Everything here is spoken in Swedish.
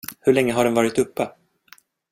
Hur länge har den varit uppe?